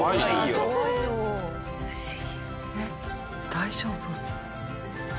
大丈夫？